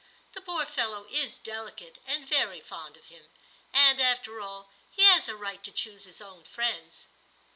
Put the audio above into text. The poor fellow is delicate, and very fond of him ; and after all, he has a right to choose his own friends.'